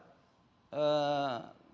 masyarakat ini ya